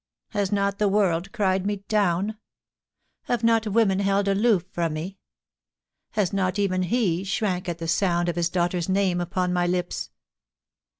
Has not the world cried me down ?... Have not women held aloof from me? Has not even he shrank at the sound of his daughter's name upon my lips?